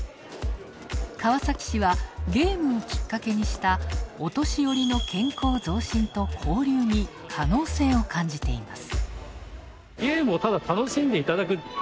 川崎市はゲームをきっかけにしたお年寄りの健康増進と交流に可能性を感じています。